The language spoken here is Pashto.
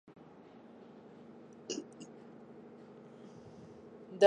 دا ابدي ژغورنې ته ده.